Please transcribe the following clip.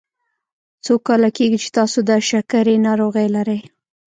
څو کاله کیږي چې تاسو د شکرې ناروغي لری؟